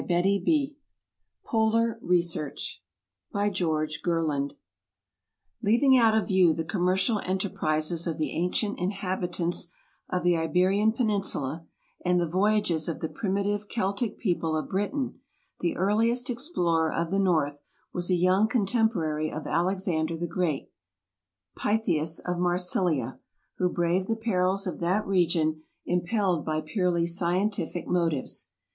AMERICA Polar Research By GEORG GERLAND LEAVING out of view the commercial enterprises of the ancient inhabitants of the Iberian Peninsula and the voyages of the primitive Celtic people of Britain, the earliest explorer of the north was a younger contemporary of Alex ander the Great, Pytheas of Marsilia, who braved the perils of that region, impelled by purely scientific motives.